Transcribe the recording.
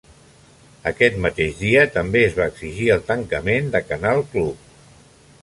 Aquest mateix dia també es va exigir el tancament de Canal Club.